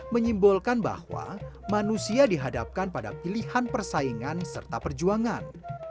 menyimbolkan bahwa manusia dihadapkan pada pilihan persaingan serta perjuangan